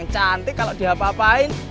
cantik kalau diapa apain